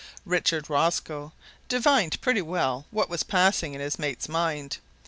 Richard Rosco divined pretty well what was passing in his mate's mind.